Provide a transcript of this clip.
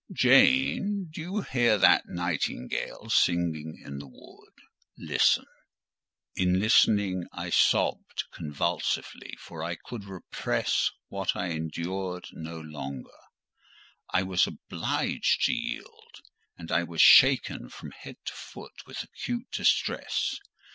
"Jane, do you hear that nightingale singing in the wood? Listen!" In listening, I sobbed convulsively; for I could repress what I endured no longer; I was obliged to yield, and I was shaken from head to foot with acute distress.